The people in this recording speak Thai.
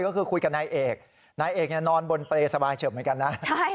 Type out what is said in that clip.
ก็คือคุยกับนายเอกนายเอกเนี่ยนอนบนเปรย์สบายเฉิบเหมือนกันนะ